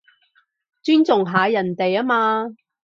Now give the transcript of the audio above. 尊重下人哋吖嘛